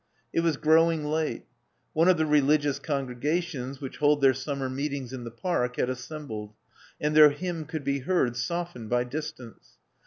It was growing late. One of the religious congregations which hold their sum mer meetings in the park had assembled; and their hymn could be heard, softened by distance.